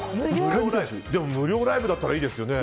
でも無料ライブだったらいいですよね。